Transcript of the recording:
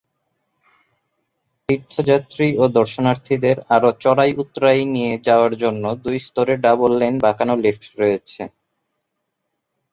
তীর্থযাত্রী ও দর্শনার্থীদের আরও চড়াই-উৎরাই নিয়ে যাওয়ার জন্য দুই স্তরের ডাবল-লেন বাঁকানো লিফট রয়েছে।